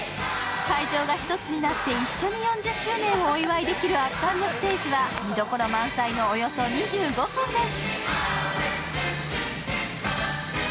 会場が１つになって一緒に４０周年をお祝いできる圧巻のステージは、見どころ満載のおよそ２５分です。